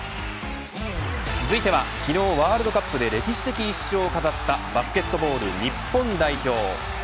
続いては昨日ワールドカップで歴史的１勝を飾ったバスケットボール日本代表。